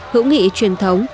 hữu nghị truyền thống